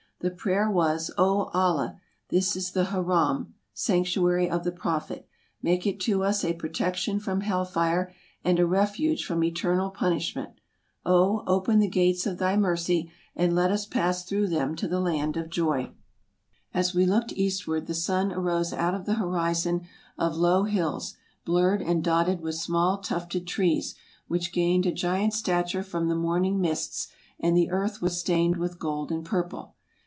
The prayer was, '' O Allah ! this is the Haram (sanctuary) of the Prophet; make it to us a protection from hell fire, and a refuge from eternal punishment ! O, open the gates of thy mercy, and let us pass through them to the land of joy! " As we looked eastward, the sun arose out of the horizon of low hills, blurred and dotted with small tufted trees, which gained a giant stature from the morning mists, and the earth was stained with gold and purple.